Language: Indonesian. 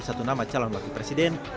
satu nama calon wakil presiden